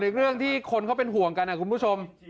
ส่วนอีกเรื่องที่คนเขาเป็นห่วงกันคุณผู้ชม